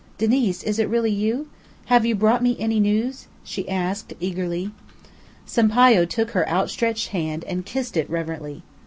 "Diniz, is it really you? Have you brought me any news?" she asked eagerly. Sampayo took her outstretched hand and kissed it reverently.